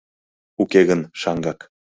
Уке гын, шаҥгак...